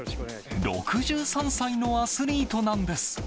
６３歳のアスリートなんです。